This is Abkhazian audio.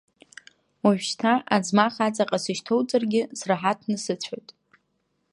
Ожәшьҭа аӡмах аҵаҟа сышьҭоуҵаргьы сраҳаҭны сыцәоит!